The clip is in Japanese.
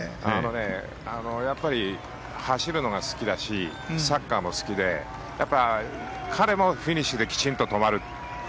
やっぱり、走るのが好きだしサッカーも好きで彼もフィニッシュできちんと止まる。